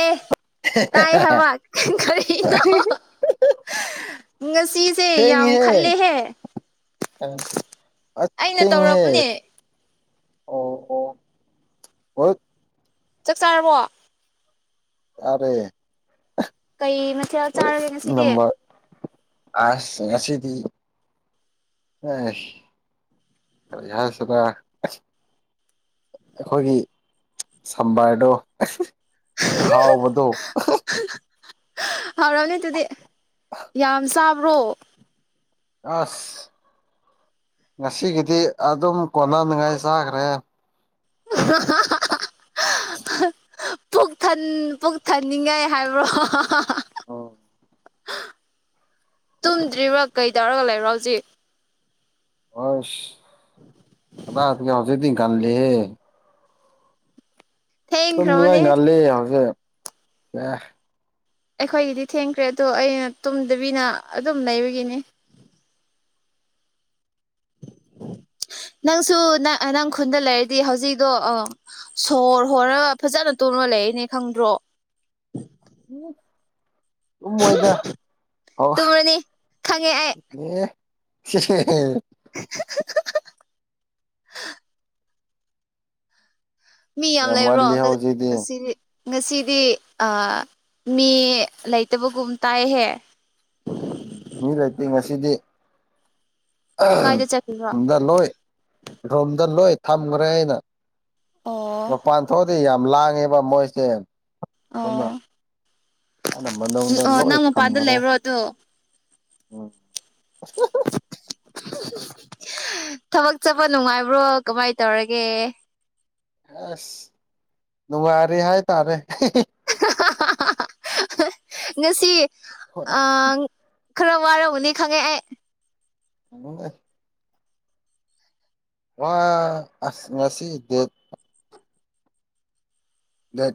ꯑꯦ ꯇꯥꯏ ꯍꯥꯏꯕ ꯀꯔꯤꯅꯣ ꯉꯁꯤꯁꯦ ꯌꯥꯝ ꯊꯦꯡꯉꯤꯍꯦ ꯈꯜꯂꯦꯍꯦ ꯑ ꯑ ꯑꯩꯅ ꯊꯦꯡꯉꯦꯍꯦ ꯇꯧꯔꯕꯅꯦ ꯑꯣ ꯑꯣ ꯍꯣꯏ ꯆꯥꯛ ꯆꯥꯔꯕꯣ ꯆꯥꯔꯦ ꯀꯩ ꯃ ꯍꯣꯏ ꯅꯝꯕꯔ ꯑꯥꯁ ꯉꯁꯤꯗꯤ ꯑꯦ ꯀꯔꯤ ꯍꯥꯏꯁꯤꯔ ꯑꯩꯈꯣꯏꯒꯤ ꯁꯝꯕꯥꯔꯗꯣ ꯑꯍꯥꯎꯕꯗꯣ ꯍꯥꯎꯔꯝꯅꯤ ꯑꯗꯨꯗꯤ ꯌꯥꯝ ꯆꯥꯕ꯭ꯔꯣ ꯑꯁ ꯉꯁꯤꯒꯤꯗꯤ ꯑꯗꯨꯝ ꯀꯣꯟꯅꯅꯤꯉꯥꯏ ꯆꯥꯈ꯭ꯔꯦ ꯍꯥ ꯍꯥ ꯍꯥ [unintelligible] ꯄꯨꯛ ꯊꯟ ꯄꯨꯛ ꯊꯟꯅꯤꯡꯉꯥꯏ ꯍꯥꯏꯕ꯭ꯔꯣ ꯎꯝ ꯇꯨꯝꯗ꯭ꯔꯤꯕ꯭ꯔꯥ ꯀꯩꯇꯧꯔꯒ ꯂꯩꯕ꯭ꯔꯣ ꯍꯧꯖꯤꯛ ꯑꯁ ꯀꯗꯥꯢꯗꯒꯤ ꯍꯧꯖꯤꯛꯇꯤ ꯉꯟꯂꯤꯍꯦ ꯇꯨꯝ ꯅꯉꯥꯏ ꯊꯦꯡꯈ꯭ꯔꯕꯅꯦ ꯉꯜꯂꯤ ꯍꯧꯖꯤꯛ ꯑꯦ ꯑꯩꯈꯣꯏꯒꯤꯗꯤ ꯊꯦꯡꯈ꯭ꯔꯦ ꯑꯗꯣ ꯑꯩꯅ ꯇꯨꯝꯗꯕꯤꯅ ꯑꯗꯨꯝ ꯂꯩꯕꯒꯤꯅꯤ ꯅꯪꯁꯨ ꯅꯪ ꯅꯪ ꯈꯨꯟꯗ ꯂꯩꯔꯗꯤ ꯍꯧꯖꯤꯛꯗꯣ ꯑꯣ ꯁꯣꯔ ꯍꯣꯔꯒ ꯐꯖꯅ ꯇꯨꯝꯃ ꯂꯩꯔꯅꯤ ꯈꯪꯗ꯭ꯔꯣ ꯇꯨꯝꯃꯣꯏꯗ ꯑꯣ ꯇꯨꯝꯔꯅꯤ ꯈꯪꯉꯦ ꯑꯩ ꯑꯦ ꯍꯦ ꯍꯦ ꯍꯦ [unintelligible] ꯃꯤꯌꯥꯝ ꯌꯥꯝ ꯂꯩꯕ꯭ꯔꯣ ꯉꯜꯂꯤ ꯉ ꯍꯧꯖꯤꯛꯇꯤ ꯉꯁꯤꯗꯤ ꯉꯁꯤꯗꯤ ꯑ ꯃꯤ ꯂꯩꯇꯕꯒꯨꯝ ꯇꯥꯏꯍꯦ ꯎꯝ ꯃꯤ ꯂꯩꯇꯦ ꯉꯁꯤꯗꯤ ꯑꯍ ꯀꯥꯏꯗ ꯆꯠꯂꯤꯔꯣ [inaudible] ꯗ ꯂꯣꯏ ꯔꯣꯝꯗ ꯂꯣꯏ ꯊꯝꯒ꯭ꯔꯦ ꯑꯩꯅ ꯑꯣ ꯃꯄꯥꯟ ꯊꯣꯛꯑꯗꯤ ꯌꯥꯝ ꯂꯥꯡꯉꯦꯕ ꯃꯣꯏꯁꯦ ꯑꯗꯨꯅ ꯑꯣ ꯑꯩꯅ ꯃꯅꯨꯡꯗ ꯂꯣꯏ ꯊꯝꯒꯔꯦ ꯇꯣ꯫ ꯎꯝ꯫ ꯊꯕꯛ ꯆꯠꯄ ꯅꯨꯡꯉꯥꯏꯕ꯭ꯔꯣ ꯀꯃꯥꯏ ꯇꯧꯔꯒꯦ꯫ ꯑꯁ ꯅꯨꯡꯉꯥꯏꯔꯤ ꯍꯥꯏꯇꯥꯔꯦ꯫ ꯍꯥ ꯍꯥ ꯍꯥ ꯉꯁꯤ ꯑ꯫ ꯈꯔ ꯋꯥꯔꯧꯒꯅꯤ ꯈꯪꯉꯦ ꯑꯩ꯫ ꯑ [unintelligible] ꯋꯥ ꯑꯁ ꯉꯁꯤ ꯗꯤ꯫ ꯗꯦꯠ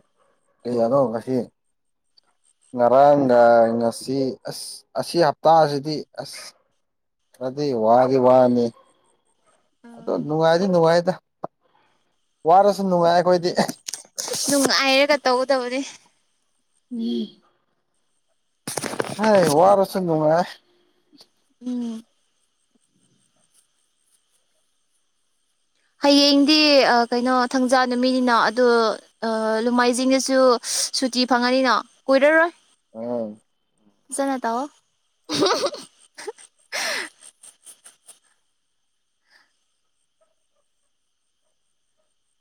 ꯀꯅꯣꯔꯣ ꯉꯁꯤ꯫ ꯉꯔꯥꯡꯒ ꯉꯁꯤ ꯑꯁ ꯑꯁꯤ ꯍꯞꯇꯥꯁꯤꯗꯤ ꯑꯁ꯫ ꯑꯗꯨ ꯋꯥꯗꯤ ꯋꯥꯅꯤ ꯑꯗꯣ ꯅꯨꯡꯉꯥꯏꯗꯤ ꯅꯨꯡꯉꯥꯏꯗ ꯋꯥꯔꯁꯨ ꯅꯨꯡꯉꯥꯏ ꯑꯩꯈꯣꯏꯗꯤ ꯅꯨꯡꯉꯥꯏꯔꯒ ꯇꯧꯒꯗꯧꯕꯅꯤ ꯎꯝ [unintelligible] ꯑꯦ ꯋꯥꯔꯁꯨ ꯅꯨꯪꯉꯥꯏ ꯎꯝ ꯍꯌꯦꯡꯗꯤ ꯀꯩꯅꯣ ꯊꯪꯖꯥ ꯅꯨꯃꯤꯠꯅꯤꯅ ꯑꯗꯨ ꯂꯨꯝꯃꯥꯏꯖꯤꯡꯗꯁꯨ ꯁꯨꯇꯤ ꯐꯪꯉꯅꯤꯅ ꯀꯨꯏꯔꯔꯣꯏ ꯎꯝ ꯐꯖꯟꯅꯥ ꯇꯧ [unintelligible]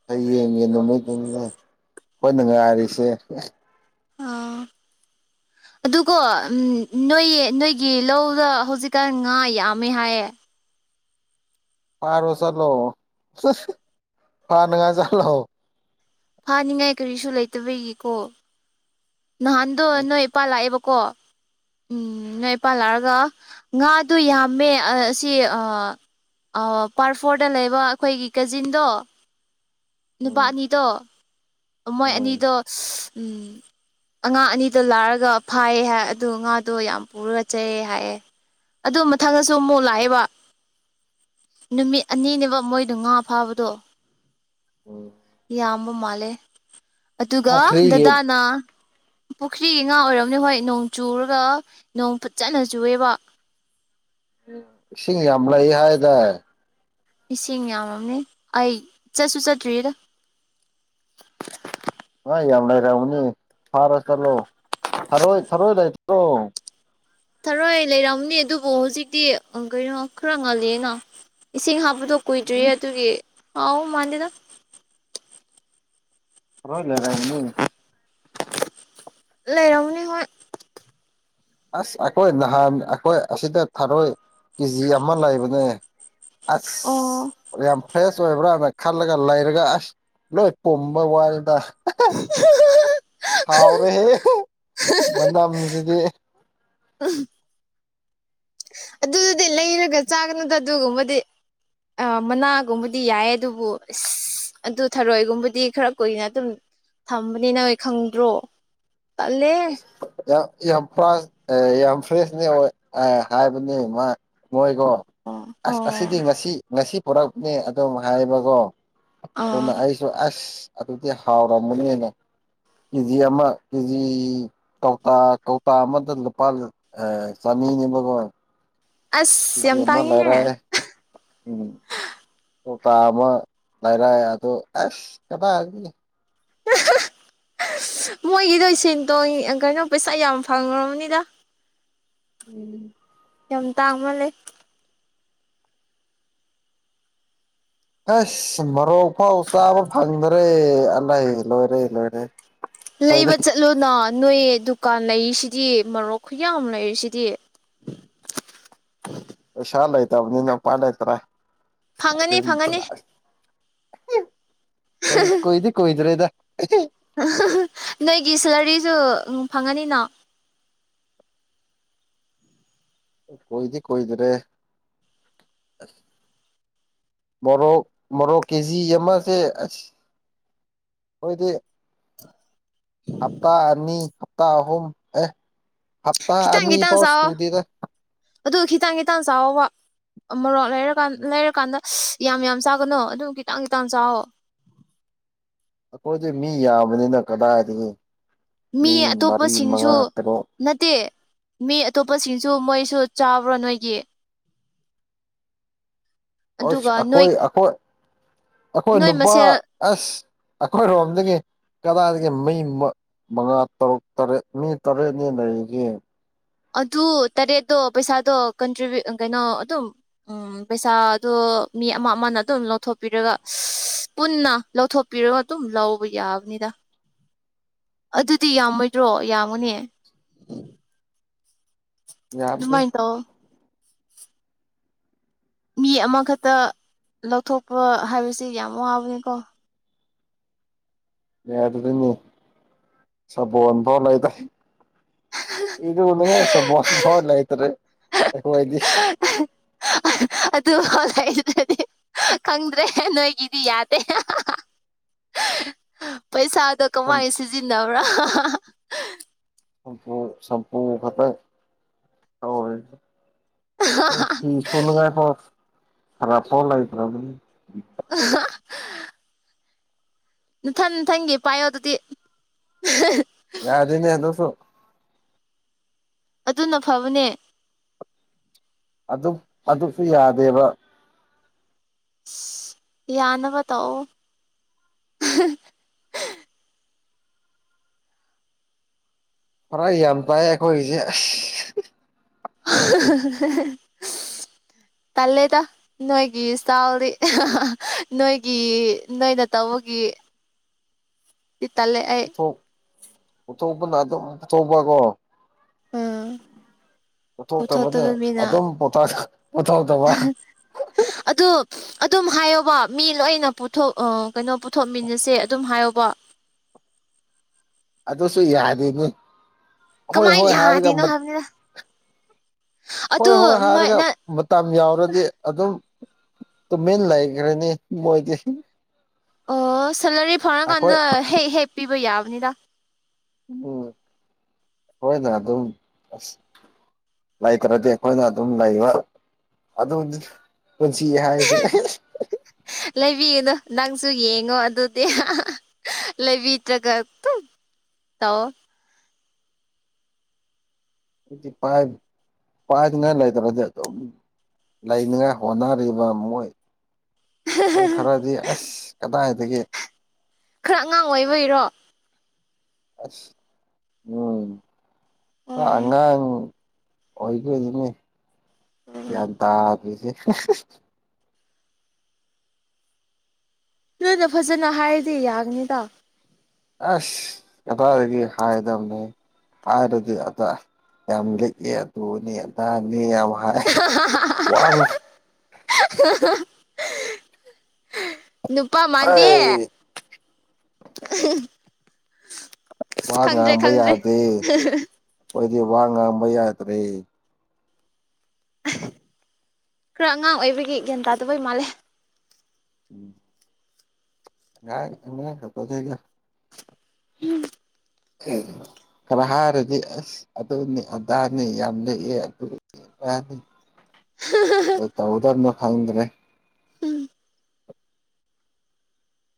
ꯍ ꯌꯦꯡꯒꯤ ꯅꯨꯃꯤꯠꯅꯤ ꯑꯩꯈꯣꯏꯅ ꯉꯥꯏꯔꯤꯁꯦ ꯑꯣ ꯑꯗꯨꯀꯣ ꯎ ꯅꯣꯏ ꯅꯣꯏꯒꯤ ꯂꯧꯗ ꯍꯧꯖꯤꯛꯀꯥꯟ ꯉꯥ ꯌꯥꯝꯃꯦ ꯍꯥꯏꯌꯦ ꯄꯥꯔꯣ ꯆꯠꯂꯣ ꯐꯥꯅꯉꯥꯏ ꯆꯠꯂꯣ ꯐꯅꯤꯡꯉꯥꯏ ꯀꯔꯤꯁꯨ ꯂꯩꯇꯕꯒꯤꯀꯣ ꯅꯍꯥꯟꯗꯣ ꯅꯣꯏ ꯏꯄꯥ ꯂꯥꯛꯑꯦꯕꯀꯣ ꯎꯝ ꯅꯣꯏ ꯏꯄꯥꯜ ꯂꯥꯛꯑꯒ ꯉꯥꯗꯣ ꯌꯥꯝꯃꯦ ꯑꯁꯤ ꯄꯥꯔ ꯐꯣꯔꯗ ꯂꯩꯕ ꯑꯩꯈꯣꯏꯒꯤ ꯀꯖꯤꯟꯗꯣ ꯅꯨꯄꯥ ꯎꯝ ꯑꯅꯤꯗꯣ ꯃꯣꯏ ꯎꯝ ꯑꯅꯤꯗꯣ ꯎꯝ ꯑꯉꯥ ꯑꯅꯤꯗꯣ ꯂꯥꯛꯑꯒ ꯐꯥꯏꯌꯦ ꯑꯗꯨ ꯉꯥꯗꯣ ꯌꯥꯝ ꯄꯨꯔꯒ ꯆꯩꯑ ꯍꯥꯏꯌꯦ ꯑꯗꯨ ꯃꯊꯡꯗꯁꯨ ꯃꯨꯛ ꯂꯥꯛꯑꯦꯕ ꯅꯨꯃꯤꯠ ꯑꯅꯤꯅꯦꯕ ꯃꯣꯏꯗꯣ ꯉꯥ ꯐꯥꯕꯗꯣ ꯎꯝ ꯌꯥꯝꯕ ꯃꯥꯜꯂꯦ ꯑꯗꯨꯒ ꯄꯨꯈ꯭ꯔꯤꯒꯤ ꯗꯗꯥꯅ ꯄꯨꯈ꯭ꯔꯤꯒꯤ ꯉꯥ ꯑꯣꯏꯔꯕꯅꯦ ꯍꯣꯏ ꯅꯣꯡ ꯆꯨꯔꯒ ꯅꯣꯡ ꯐꯠꯖꯅ ꯆꯨꯑꯦꯕ ꯏꯁꯤꯡ ꯌꯥꯝ ꯂꯩ ꯍꯥꯏꯗꯥꯏ ꯏꯁꯤꯡ ꯌꯥꯝꯃꯝꯅꯦ ꯑꯩ ꯆꯠꯁꯨ ꯆꯠꯇ꯭ꯔꯤꯗ ꯍꯣꯏ ꯌꯥꯝ ꯂꯩꯥꯏꯔꯕꯅꯤ ꯐꯥꯔꯣ ꯆꯠꯂꯣ ꯊꯔꯣꯏ ꯊꯔꯣꯏ ꯂꯩꯇꯔꯣ ꯊꯔꯣꯏ ꯂꯩꯔꯝꯅꯤ ꯑꯗꯨꯕꯨ ꯍꯧꯖꯤꯛꯇꯤ ꯀꯩꯅꯣ ꯈꯔ ꯉꯜꯂꯤꯅ ꯏꯁꯤꯡ ꯍꯥꯞꯄꯗꯨ ꯀꯨꯏꯗꯤꯌꯦ ꯎꯝ ꯑꯗꯨꯒꯤ [unintelligible] ꯃꯥꯟꯗꯦꯗ ꯊꯔꯣꯏ ꯂꯩꯔꯕꯅꯤ ꯂꯩꯔꯃꯅꯤ ꯍꯣꯏ ꯑꯁ ꯑꯩꯈꯣꯏ ꯅꯍꯥꯟ ꯑꯩꯈꯣꯏ ꯑꯁꯤꯗ ꯊꯥꯔꯣꯏ ꯀꯦꯖꯤ ꯑꯃ ꯂꯩꯕꯅꯦ ꯑꯁ ꯑꯣ ꯐꯅꯌꯥꯝ ꯐ꯭ꯔꯦꯁ ꯑꯣꯏꯕ꯭ꯔꯅ ꯈꯜꯂꯒ ꯂꯩꯔꯒ ꯑꯁ ꯂꯣꯏ ꯄꯨꯝꯕ ꯋꯥꯅꯦꯗ [unintelligible] ꯍꯥꯎꯔꯦꯍꯦ ꯃꯅꯝꯖꯤꯗꯤ [unintelligible] ꯑꯗꯨꯗꯨꯗꯤ ꯂꯩꯔꯒ ꯆꯥꯒꯅꯨꯗ ꯑꯗꯨꯒꯨꯝꯕꯗꯤ ꯑ ꯃꯅꯥꯒꯨꯝꯕꯗꯤ ꯌꯥꯏꯌꯦ ꯑꯗꯨꯕꯨ ꯑꯁ ꯑꯗꯨ ꯊꯔꯣꯏꯒꯨꯝꯕꯗꯤ ꯈꯔ ꯀꯨꯏꯅ ꯑꯗꯨꯝ ꯊꯝꯕꯅꯤꯅ ꯍꯣꯏ ꯈꯪꯗ꯭ꯔꯣ ꯇꯥꯜꯂꯦ ꯌꯥꯝ ꯌꯥꯝ ꯐ꯭ꯔ ꯌꯥꯝ ꯐ꯭ꯔꯦꯁꯅꯦ ꯍꯥꯏꯕꯅꯦ ꯃꯥ ꯃꯣꯏ ꯀꯣ ꯑꯣ ꯑꯁ ꯑꯣ ꯑꯁꯤꯗꯤ ꯉꯁꯤ ꯉꯁꯤ ꯄꯨꯔꯛꯅꯦ ꯑꯗꯨꯝ ꯍꯥꯏꯕꯀꯣ ꯑꯥ ꯑꯗꯨꯅ ꯑꯩ ꯁ ꯑꯁ ꯑꯗꯨꯗꯤ ꯍꯥꯎꯔꯝꯃꯅꯤꯅ ꯀꯦꯖꯤ ꯑꯃ ꯀꯦꯖꯤ ꯀꯧꯇꯥ ꯀꯧꯇꯥ ꯑꯃꯗ ꯂꯨꯄꯥ ꯆꯥꯅꯤ ꯅꯤꯕꯀꫭ ꯑꯁ ꯀꯤꯖꯤ ꯌꯥꯝ ꯑꯃ ꯂꯩꯔ ꯇꯥꯡꯉꯦꯍꯦ ꯎꯝ ꯀꯧꯇꯥ ꯑꯃ ꯂꯩꯥꯏꯔꯥꯏ ꯑꯗꯣ ꯑꯁ ꯀꯗꯥꯒꯤ ꯃꯣꯏꯒꯤꯗꯣ ꯁꯦꯟꯇꯣꯡ ꯀꯩꯅꯣ ꯄꯩꯁꯥ ꯌꯥꯝ ꯐꯪ꯭ꯔꯕꯅꯤꯗ ꯎꯝ ꯌꯥꯝ ꯇꯥꯡꯃꯜꯂ ꯑꯁ ꯃꯔꯣꯛ ꯐꯥꯎ ꯆꯥꯕ ꯐꯪꯗꯔꯦ ꯑꯂ ꯂꯣꯏꯔꯦ ꯂꯣꯏꯔꯦ ꯂꯩꯕ ꯑꯩꯈꯣꯏꯗꯤ ꯆꯠꯂꯨꯅ ꯅꯣꯏ ꯗꯨꯀꯥꯟ ꯂꯩꯔꯤꯁꯤꯗꯤ ꯃꯔꯣꯛ ꯈꯨꯌꯥꯝ ꯂꯩꯔꯤꯁꯤꯗꯤ ꯄꯩꯁꯥ ꯂꯩꯇꯕꯅꯤꯅ ꯎꯄꯥꯏ ꯂꯩꯇ꯭ꯔꯦ ꯐꯪꯒꯅꯤ ꯐꯪꯒꯅꯤ ꯀꯣꯏꯗꯤ ꯀꯨꯏꯗꯔꯤꯗ ꯅꯣꯏꯒꯤ ꯁꯦꯂꯔꯤꯁꯨ ꯐꯪꯉꯅꯤꯅꯣ ꯀꯨꯏꯗꯤ ꯀꯣꯏꯗ꯭ꯔꯦ ꯃꯔꯣꯛ ꯃꯔꯣꯛ ꯀꯦꯖꯤ ꯑꯃꯁꯦ ꯍꯣꯏꯗꯤ ꯍꯞꯇꯥ ꯑꯅꯤ ꯍꯞꯇꯥ ꯑꯍꯨꯝ ꯑꯦ ꯍꯞꯇꯥ ꯈꯤꯇꯪ ꯈꯤꯇꯪ ꯑꯅꯤꯐꯥꯎ ꯆꯥꯎꯋꯣ ꯁꯨꯗꯦꯔꯦ ꯑꯗꯨ ꯈꯤꯇꯪꯒꯤ ꯇꯥꯡ ꯆꯥꯎꯕ ꯑꯃꯔꯣ ꯂꯩꯔꯀꯥꯟ ꯂꯩꯔꯀꯥꯟꯗ ꯌꯥꯝ ꯌꯥꯝ ꯆꯥꯒꯅꯣ ꯑꯗꯨꯝ ꯈꯤꯇꯪ ꯈꯤꯇꯪ ꯆꯑꯣ ꯑꯩꯈꯣꯏꯗꯤ ꯃꯤ ꯌꯥꯝꯕꯅꯤꯅ ꯀꯗꯥꯏꯗꯒꯤ ꯃꯤ ꯃꯔꯤ ꯃꯉꯥ ꯀꯩꯅꯣ ꯅꯠꯇꯦ ꯃꯤ ꯑꯇꯣꯞꯄꯁꯤꯡꯁꯨ ꯃꯣꯏꯁꯨ ꯆꯥꯕ꯭ꯔꯣ ꯅꯣꯏꯒꯤ ꯑꯁ ꯑꯗꯨꯒ ꯅꯣꯏ ꯑꯩꯈꯣꯏ ꯑꯩꯈꯣꯏ ꯑꯩꯈꯣꯏ ꯅꯣꯏ ꯅꯨꯄꯥ ꯃꯁꯦꯜ ꯑꯁ ꯑꯩꯈꯣꯏ ꯔꯣꯝꯗꯒꯤ ꯀꯗꯥꯏꯗꯒꯤ ꯃꯩ ꯃꯉꯥ ꯇꯔꯨꯛ ꯇꯔꯦꯠ ꯃꯤ ꯇꯔꯦꯠꯅꯤ ꯂꯩꯒꯦ ꯑꯗꯨ ꯇꯔꯦꯠꯇꯣ ꯄꯩꯁꯥꯗꯣ ꯀꯟꯇ꯭ꯔꯤꯕꯨ ꯀꯩꯅꯣ ꯑꯗꯨꯝ ꯎꯝ ꯄꯩꯁꯥꯗꯣ ꯃꯤ ꯑꯃ ꯑꯃꯅ ꯑꯗꯨꯝ ꯂꯧꯊꯣꯛꯄꯤꯔꯒ ꯄꯨꯟꯅ ꯂꯧꯊꯣꯛ ꯄꯤꯔꯒ ꯑꯗꯨꯝ ꯂꯧꯕ ꯌꯥꯕꯅꯤꯗ ꯑꯗꯨꯗꯤ ꯌꯥꯝꯃꯣꯏꯗ꯭ꯔꯣ ꯌꯥꯝꯃꯨꯅꯦ ꯌꯥꯝꯗꯦ ꯑꯗꯨꯃꯥꯏ ꯇꯧ ꯃꯤ ꯑꯃꯈꯛꯇ ꯂꯧꯊꯣꯛꯄ ꯍꯥꯏꯕꯁꯤ ꯌꯥꯝ ꯋꯥꯕꯅꯤꯀꯣ ꯌꯥ ꯑꯗꯨꯗꯤꯅꯤ ꯆꯕꯣꯟꯕ ꯂꯩꯗꯥ ꯏꯔꯨ ꯅꯤꯡ ꯉꯥꯏ ꯁꯥꯄꫭꯜ ꯐꯥꯎꯂꯩ ꯇꯔꯦ ꯏꯈꫭꯏꯗꯤ [unintelligible] ꯑꯗꯨ ꯍꯂꯛꯗꯨꯗꯤ ꯈꯪꯗ꯭ꯔꯦ ꯅꯣꯏꯒꯤꯗꯤ ꯌꯥꯗꯦ ꯄꯩꯁꯥꯗꯣ ꯀꯃꯥꯏꯅ ꯁꯝꯄꯨ ꯁꯤꯖꯤꯟꯅꯕ꯭ꯔꯥ ꯁꯄꯨ ꯁꯝꯄꯨ ꯐꯠꯇ ꯁꯨꯅꯤꯉꯥꯏ ꯁꯔꯞ ꯐꯥꯎ ꯂꯧꯇꯔꯕꯅꯤꯅ [unintelligible] ꯅꯊꯟ ꯅꯊꯟꯒꯤ ꯄꯥꯏꯌꫭ ꯑꯗꯨꯗꯤ ꯌꯥꯗꯅꯦ ꯑꯗꯨꯁꯨ ꯑꯗꯨꯅ ꯐꯕꯅꯦ ꯑꯗꯨ ꯑꯗꯨꯁꯨ ꯌꯥꯗꯦꯕ ꯑ ꯌꯥꯅꯕ ꯇꯧꯑꯣ ꯐꯔꯥ ꯌꯥꯝ ꯇꯥꯏ ꯑꯩꯈꯣꯏꯒꯤꯁꯦ ꯑꯁ ꯇꯂꯦꯗ ꯅꯣꯏꯒꯤ ꯏꯁꯇꯥꯥꯎꯜꯂꯤ ꯅꯣꯏꯒꯤ ꯅꯣꯏꯅ ꯇꯧꯕꯒꯤ ꯏꯠꯇꯂꯦ ꯎꯊꯣꯛꯄꯅ ꯑꯗꯨꯝ ꯄꯨꯊꯣꯛꯄꯀꯣ ꯎꯝ ꯄꯨꯊꯣꯛꯇꯕꯅꯦ ꯄꯨꯊꯣꯛꯇꯕ ꯃꯤꯅ ꯑꯗꯨꯝ ꯄꯣꯊꯣꯛꯇꯕ ꯑꯗꯨꯗꯣ ꯑꯗꯨꯝ ꯍꯥꯏꯌꯣꯕ ꯃꯤ ꯂꯣꯏꯅ ꯄꯨꯊꯣꯛ ꯑ ꯀꯩꯅꯣ ꯄꯨꯊꯣꯛꯃꯤꯟꯅꯁꯦ ꯑꯗꯨꯝ ꯍꯥꯏꯌꯣꯕ ꯑꯗꯨꯁꯨ ꯌꯥꯔꯤꯅꯤ ꯍꯣꯏ ꯀꯃꯥꯏꯅ ꯍꯣꯏ ꯍꯥꯏꯔꯒ ꯌꯥꯗꯣꯏꯅꯣ ꯍꯥꯏꯕꯅꯤꯅ ꯍꯣꯏ ꯑꯗꯨ ꯍꯣꯏ ꯍꯥꯏꯔꯒ ꯃꯣꯏꯅ ꯃꯇꯝ ꯌꯥꯎꯔꯗꯤ ꯑꯗꯨꯝ ꯇꯨꯃꯤꯟ ꯂꯩꯈ꯭ꯔꯅꯤ ꯃꯣꯏꯗꯤ ꯑꯣ ꯁꯦꯂꯔꯤ ꯑꯩꯈꯣꯏ ꯐꯥꯔꯀꯥꯟꯗ ꯍꯦꯛ ꯍꯦꯛ ꯄꯤꯕ ꯌꯥꯕꯅꯤꯗ ꯎꯝ ꯍꯣꯏꯅ ꯑꯗꯨꯝ ꯑꯁ ꯂꯩꯈ꯭ꯔꯗꯤ ꯑꯩꯈꯣꯏꯅ ꯑꯗꯨꯝ ꯂꯩꯕ ꯑꯗꯨꯝ ꯄꯨꯟꯁꯤ ꯍꯥꯏꯁꯤꯅꯦ ꯂꯩꯕꯤꯒꯅꯣ ꯅꯪꯁꯨ ꯌꯦꯡꯉꯣ ꯑꯗꯨꯗꯤ ꯂꯩꯕꯤꯇ꯭ꯔꯒ ꯇꯣꯛ ꯇꯧꯑꯣ ꯇꯣꯇꯤ ꯄꯥꯏꯞ ꯄꯥꯏꯗꯅꯥ ꯂꯩꯗꯕꯗꯤ ꯑꯗꯨꯝ ꯂꯩꯅꯉꯥꯏ ꯍꯣꯠꯅꯔꯤꯕ ꯃꯣꯏ ꯃꯣꯏ [unintelligible] ꯈꯔꯗꯤ ꯑꯁ ꯀꯗꯥꯏꯗꯒꯤ ꯈꯔ ꯑꯉꯥꯡ ꯑꯣꯏꯏꯕꯩꯔꯣ ꯑꯁ ꯎꯝ ꯑꯣ ꯑꯉꯥꯡ ꯑꯣꯏꯕꯒꯤꯅꯦ ꯒꯌꯥꯟ ꯇꯥꯗꯔꯤꯖꯦ ꯅꯣꯏꯅ ꯐꯖꯅ ꯍꯥꯏꯔꯗꯤ ꯌꯥꯒꯅꯤꯗ ꯑꯁ ꯀꯗꯥꯏꯗꯒꯤ ꯍꯥꯏꯗꯕꯅꯣ ꯍꯥꯏꯗꯗꯤ ꯑꯗꯥ ꯌꯥꯝ ꯂꯩꯇꯦ ꯑꯗꯨꯅꯤ ꯑꯗꯥꯅꯤ ꯌꯥꯝ ꯍꯥꯏ ꯑꯥꯏꯁ ꯋꯥꯡ [unintelligible] ꯅꯨꯄꯥ ꯃꯥꯟꯗꯦ ꯑꯩ ꯋꯥ ꯈꯪꯗ꯭ꯔꯦ ꯉꯥꯡꯕ ꯈꯪꯗ꯭ꯔꯦ ꯌꯥꯗꯦ ꯈꯣꯏꯗꯤ ꯋꯥ ꯉꯥꯡꯕ ꯌꯥꯗ꯭ꯔꯦ ꯈꯔ ꯑꯉꯥꯡ ꯑꯣꯏꯕꯒꯤ ꯒ꯭ꯌꯥꯟ ꯇꯗꯕꯩ ꯃꯥꯜꯂꯦ ꯎꯝ ꯉꯥꯡ ꯑꯉꯥꯡ ꯈꯪꯄꯣꯇꯦꯗ ꯍꯨꯝ ꯈꯔ ꯍꯥꯏꯔꯣꯗꯤ ꯑꯁ ꯑꯗꯨꯅꯤ ꯑꯗꯥꯅꯤ ꯌꯥꯝ ꯂꯤꯛꯑꯦ ꯑꯗꯨ ꯈꯣꯏ ꯇꯧꯍꯧꯗꯕꯅꯤꯅ ꯈꯪꯗ꯭ꯔꯦ ꯎꯝ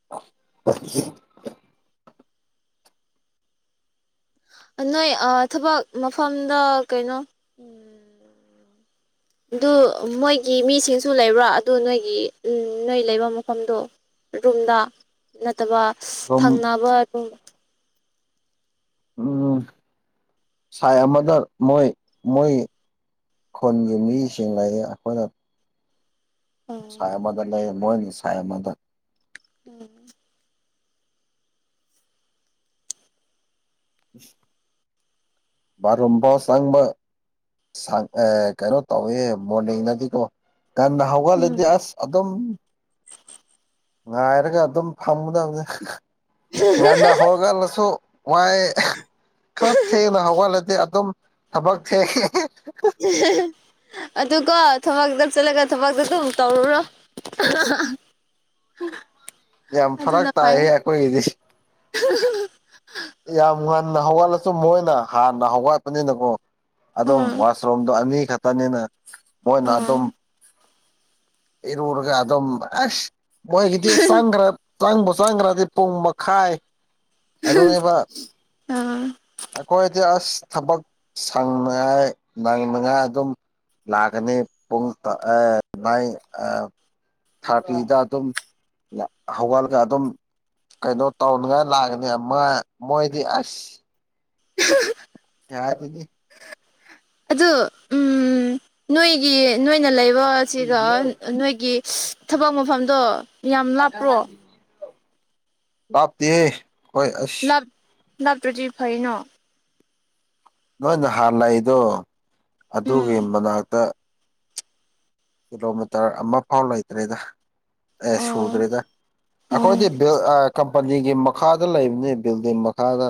[unintelligible] ꯅꯣꯏ ꯑ ꯊꯕꯛ ꯃꯐꯝꯗ ꯀꯩꯅꯣ ꯎꯝ ꯑꯗꯨ ꯃꯣꯏꯒꯤ ꯃꯤꯁꯤꯡꯁꯨ ꯂꯩꯕ꯭ꯔꯥ ꯑꯗꯨ ꯅꯣꯏꯒꯤ ꯅꯣꯏ ꯂꯩꯕ ꯃꯐꯝꯗꯣ ꯑꯗꯣꯝꯗ ꯅꯠꯇꯕ ꯊꯪꯅꯕ ꯑꯗꯨꯝ ꯎꯝ ꯁꯥꯏ ꯑꯃꯗ ꯃꯣꯏ ꯃꯣꯏ ꯈꯨꯟꯒꯤ ꯃꯤꯁꯤꯡ ꯂꯩꯌꯦ ꯑꯈꯣꯏꯅ ꯁꯥꯏ ꯎꯝ ꯑꯃꯗ ꯂꯩꯌꯦ ꯃꯣꯏꯅ ꯁꯥꯏ ꯑꯃꯗ ꯎꯝ ꯏꯁ ꯕꯔꯨꯝꯕꯧ ꯆꯪꯕ ꯁꯪ ꯑꯦ ꯀꯩꯅꯣ ꯇꯧꯋꯦ ꯃꯣꯔꯅꯤꯡꯅꯗꯤꯀꯣ ꯉꯟꯅ ꯍꯧꯒꯠꯂꯗꯤ ꯑꯁ ꯑꯗꯨꯝ ꯉꯥꯏꯔꯒ ꯑꯗꯨꯝ ꯐꯝꯒꯗꯕꯅꯤ ꯉꯟꯅ ꯍꯧꯒꯠꯂꯁꯨ ꯋꯥꯏꯌꯦ ꯈꯔ ꯊꯦꯡꯅ ꯍꯧꯒꯠꯂꯗꯤ ꯑꯗꯨꯝ ꯊꯕꯛ ꯊꯦꯡꯉꯦ [unintelligible] ꯑꯗꯨ ꯀꯣ ꯊꯕꯥꯛ ꯂꯧ ꯆꯠꯂꯒ ꯊꯕꯛꯇꯨ ꯑꯗꯨꯝ ꯇꯧꯔꯨꯔꯣ ꯌꯥꯝ ꯐꯥꯔꯛ ꯑꯗꯨꯅ ꯐꯩ ꯇꯥꯏꯌꯦ ꯑꯩꯈꯣꯏꯒꯤꯗꯤ [inaudible] ꯌꯥꯝ ꯉꯟꯅ ꯍꯧꯒꯠꯂꯁꯨ ꯃꯣꯏꯅ ꯍꯥꯟꯅ ꯍꯧꯒꯠꯄꯅꯤꯅꯀꯣ ꯑꯗꯨꯝ ꯎꯝ ꯋꯥꯁꯔꯨꯝꯗꯣ ꯑꯅꯤ ꯈꯛꯇꯅꯤꯅ ꯃꯣꯏꯅ ꯑꯥ ꯑꯗꯨꯝ ꯏꯔꯨꯔꯒ ꯑꯗꯨꯝ ꯑꯁ ꯃꯣꯏꯒꯤꯗꯤ ꯆꯪꯗꯔꯦ ꯆꯪꯕ ꯆꯪꯒ꯭ꯔꯗꯤ ꯄꯨꯡ ꯃꯈꯥꯏ ꯑꯗꯨꯅꯦꯕ ꯑꯥꯝ ꯑꯩꯈꯣꯏꯗꯤ ꯑꯁ ꯊꯕꯛ ꯁꯪꯅꯉꯥꯏ ꯅꯪꯅꯉꯥꯏ ꯑꯗꯨꯝ ꯂꯥꯛꯀꯅꯤ ꯄꯨꯡ ꯇꯣ ꯑꯥꯏ ꯃꯥꯏ ꯑꯝ ꯊꯥꯔꯇꯤꯗ ꯑꯗꯨꯝ ꯌꯥ ꯍꯧꯒꯠꯂꯒ ꯑꯗꯨꯝ ꯀꯩꯅꯣ ꯇꯧꯅꯤꯡꯉꯥꯏ ꯂꯥꯛꯀꯅꯤ ꯃꯥꯏ ꯃꯣꯏꯗꯤ ꯑꯁ [inaudible] ꯌꯥꯔꯗꯤꯗꯤ [inaudible] ꯑꯗꯨ ꯎꯝ ꯅꯣꯏꯒꯤ ꯅꯣꯏꯅ ꯂꯩꯕ ꯁꯤꯒ ꯅꯣꯏꯒꯤ ꯊꯕꯛ ꯃꯐꯝꯗꯣ ꯌꯥꯝ ꯞ ꯇ ꯂꯥꯞꯄ꯭ꯔꯣ ꯍꯣꯏ [inaudible] ꯂꯞ ꯂꯞꯇ꯭ꯔꯥꯗꯤ ꯐꯩꯅ ꯅꯣꯏꯅ ꯍꯥꯟꯅ ꯂꯥꯛꯕꯗꯣ ꯎꯝ ꯑꯗꯨꯒꯤ ꯃꯅꯥꯛꯇ ꯀꯤꯂꯣꯃꯤꯇꯔ ꯑꯃ ꯐꯥꯎ ꯂꯩꯇ꯭ꯔꯦꯗ ꯑꯦ ꯑꯣ ꯁꯨꯗ꯭ꯔꯦꯗ ꯑꯣ ꯑꯩꯈꯣꯏꯗꯤ ꯀꯝꯄꯅꯤꯒꯤ ꯃꯈꯥꯗ ꯂꯩꯕꯅꯤ ꯕꯤꯜꯗꯤꯡ ꯃꯈꯥꯗ